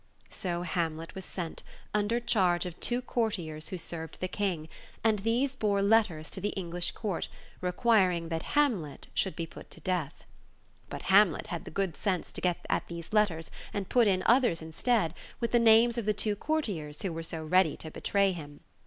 So Hamlet was sent, under charge of two courtiers who served the King, and these bore letters to the English Court, requiring that Hamlet should be put to death. But Hamlet had the good sense to get at these letters and put in others instead, with the names of the two courtiers who were so ready to betray him.